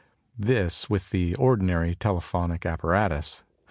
This with the ordinary telephonic apparatus.